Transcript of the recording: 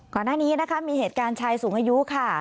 ก่อนหน้านี้นะคะมีเหตุการณ์ชายสูงอายุค่ะ